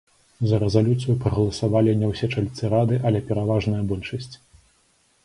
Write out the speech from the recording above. За рэзалюцыю прагаласавалі не ўсе чальцы рады, але пераважная большасць.